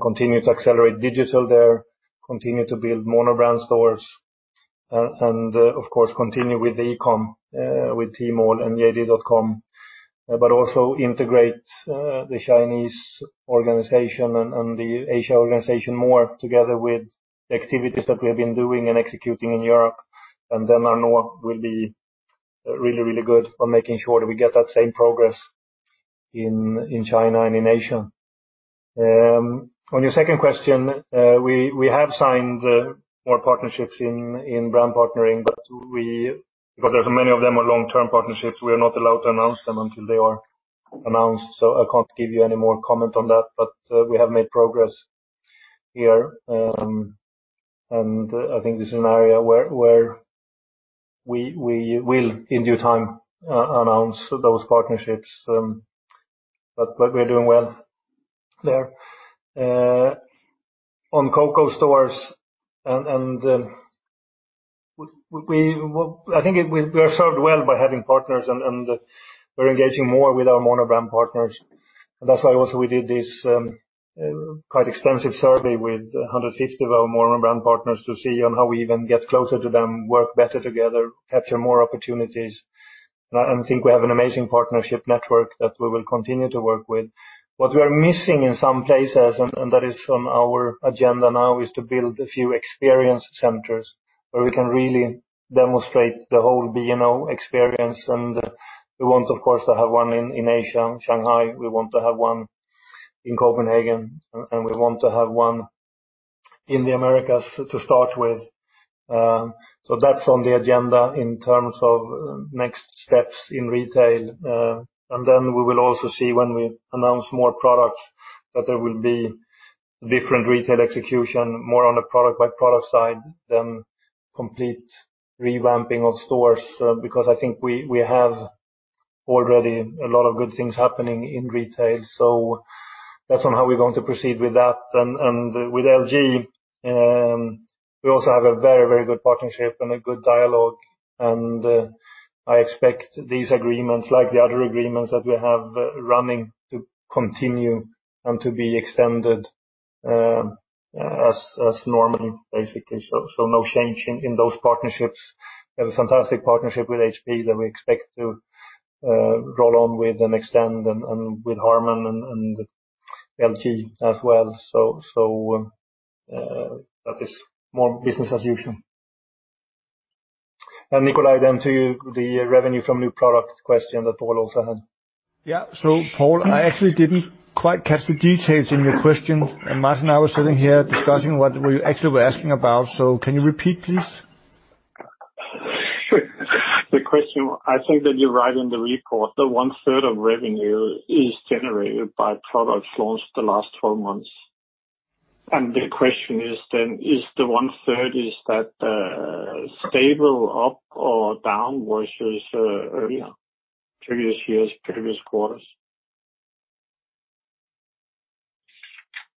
Continue to accelerate digital there, continue to build mono-brand stores, of course, continue with the e-com, with Tmall and JD.com, also integrate the Chinese organization and the Asia organization more together with the activities that we have been doing and executing in Europe. I know we'll be really good on making sure that we get that same progress in China and in Asia. On your second question, we have signed more partnerships in brand partnering, but because many of them are long-term partnerships, we are not allowed to announce them until they are announced. I can't give you any more comment on that, but we have made progress here. I think this is an area where we will, in due time, announce those partnerships. We're doing well there. On Coco stores, I think we are served well by having partners, and we're engaging more with our mono-brand partners. That's why also we did this quite extensive survey with 150 of our mono-brand partners to see on how we even get closer to them, work better together, capture more opportunities. I think we have an amazing partnership network that we will continue to work with. What we are missing in some places, and that is on our agenda now, is to build a few experience centers where we can really demonstrate the whole B&O experience. We want, of course, to have one in Asia, in Shanghai, we want to have one in Copenhagen, and we want to have one in the Americas to start with. That's on the agenda in terms of next steps in retail. Then we will also see when we announce more products, that there will be different retail execution, more on a product-by-product side than complete revamping of stores, because I think we have already a lot of good things happening in retail. That's on how we're going to proceed with that. With LG, we also have a very, very good partnership and a good dialogue, and I expect these agreements, like the other agreements that we have running, to continue and to be extended as normal, basically. No change in those partnerships. We have a fantastic partnership with HP that we expect to roll on with and extend, and with Harman and LG as well. That is more business as usual. Nikolaj, then to the revenue from new product question that Poul also had. Poul, I actually didn't quite catch the details in your question, and Martin and I were sitting here discussing what you actually were asking about. Can you repeat, please? Sure. The question, I think that you write in the report that one-third of revenue is generated by products launched the last 12 months. The question is then, is the one-third, is that stable, up or down, versus earlier, previous years, previous quarters?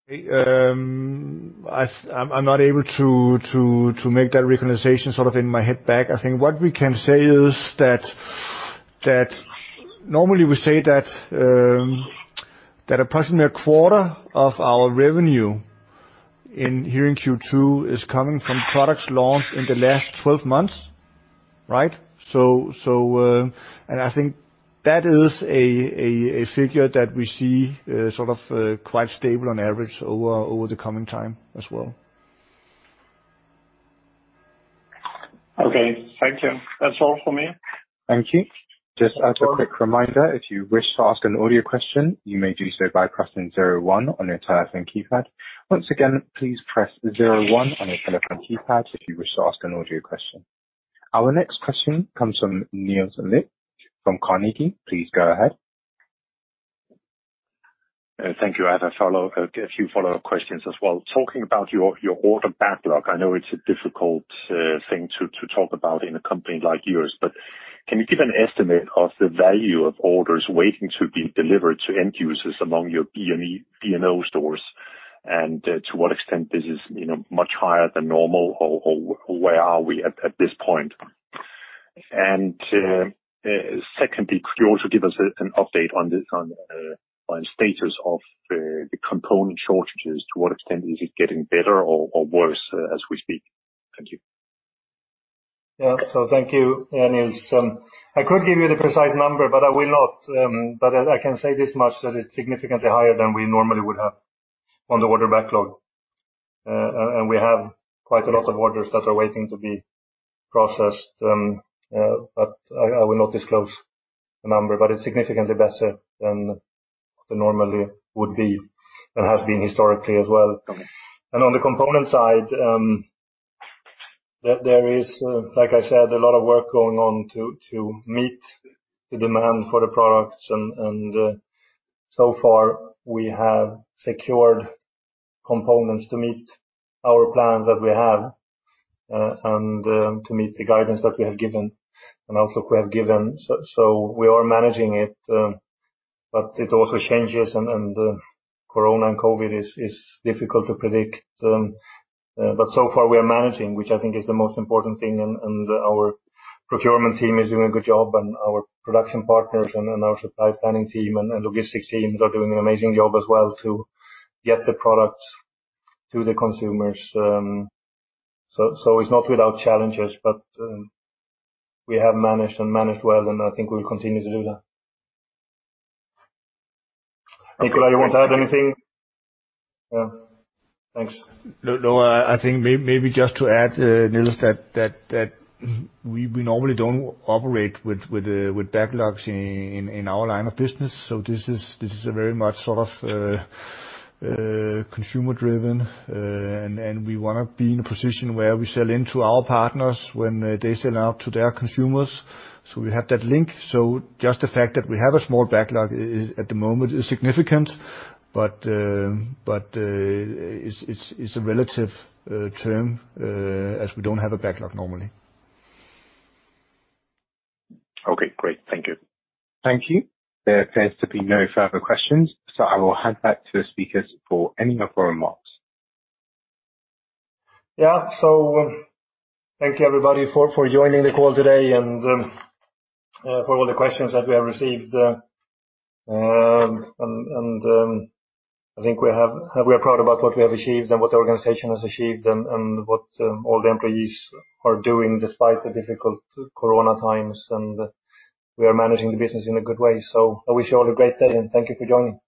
I'm not able to make that recognition sort of in my head back. I think what we can say is that normally we say that approximately a quarter of our revenue in Q2 is coming from products launched in the last 12 months. Right? And I think that is a figure that we see sort of quite stable on average over the coming time as well. Okay. Thank you. That's all for me. Thank you. Just a reminder that if you wish to ask an audio question press zero one on your keypad, again, press zero one on your keypad and ask your question. Our next question comes from Niels Leth from Carnegie, please go ahead. Thank you. I have a few follow-up questions as well. Talking about your order backlog, I know it's a difficult thing to talk about in a company like yours, but can you give an estimate of the value of orders waiting to be delivered to end users among your B&O stores? To what extent this is much higher than normal or where are we at this point? Secondly, could you also give us an update on status of the component shortages? To what extent is it getting better or worse as we speak? Thank you. Yeah. Thank you, Niels. I could give you the precise number, but I will not. I can say this much, that it's significantly higher than we normally would have on the order backlog. We have quite a lot of orders that are waiting to be processed. I will not disclose the number, but it's significantly better than it normally would be and has been historically as well. Okay. On the component side, there is, like I said, a lot of work going on to meet the demand for the products, and so far we have secured components to meet our plans that we have, and to meet the guidance that we have given and outlook we have given. We are managing it, but it also changes, and the COVID-19 is difficult to predict. So far we are managing, which I think is the most important thing, and our procurement team is doing a good job and our production partners and our supply planning team and logistics teams are doing an amazing job as well to get the products to the consumers. It's not without challenges, but we have managed and managed well, and I think we'll continue to do that. Nikolaj, you want to add anything? No. Thanks. No. I think maybe just to add, Niels, that we normally don't operate with backlogs in our line of business. This is a very much sort of consumer-driven, and we want to be in a position where we sell into our partners when they sell out to their consumers. We have that link. Just the fact that we have a small backlog at the moment is significant, but it's a relative term, as we don't have a backlog normally. Okay, great. Thank you. Thank you. There appears to be no further questions, so I will hand back to the speakers for any final remarks. Yeah. Thank you everybody for joining the call today and for all the questions that we have received. I think we are proud about what we have achieved and what the organization has achieved and what all the employees are doing despite the difficult corona times, we are managing the business in a good way. I wish you all a great day, and thank you for joining.